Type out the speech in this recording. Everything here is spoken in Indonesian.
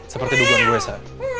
seperti dugaan gue sa